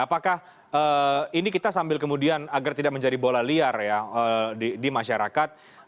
apakah ini kita sambil kemudian agar tidak menjadi bola liar ya di masyarakat